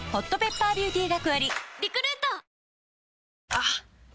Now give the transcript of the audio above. あっ！